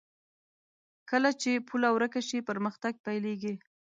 کله چې پوله ورکه شي، پرمختګ پيلېږي.